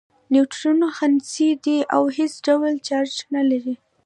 نیوټرون خنثی دی او هیڅ ډول چارچ نلري.